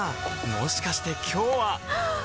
もしかして今日ははっ！